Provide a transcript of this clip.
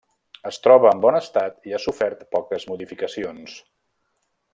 Es troba en bon estat i ha sofert poques modificacions.